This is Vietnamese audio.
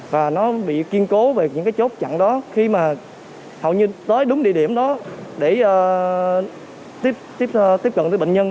và nó bị kiên cố về những cái chốt chặn đó khi mà hầu như tới đúng địa điểm đó để tiếp cận với bệnh nhân